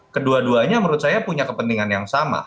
kedua duanya menurut saya punya kepentingan yang sama